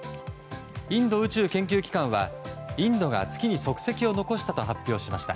インド宇宙研究機関はインドが月に足跡を残したと発表しました。